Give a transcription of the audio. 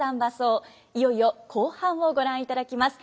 いよいよ後半をご覧いただきます。